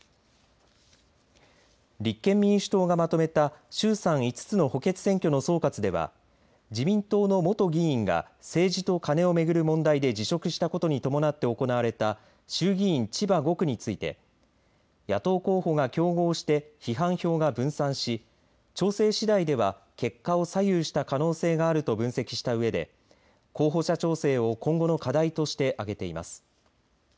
立憲民主党がまとめた衆参５つの補欠選挙の総括では自民党の元議員が政治とカネを巡る問題で辞職したことに伴って行われた衆議院千葉５区について野党候補が競合して批判票が分散し調整しだいでは結果を左右した可能性があると分析したうえで候補者調整を今後の課題として挙げています。